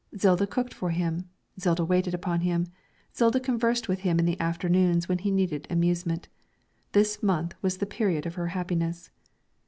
Zilda cooked for him, Zilda waited upon him, Zilda conversed with him in the afternoons when he needed amusement. This month was the period of her happiness.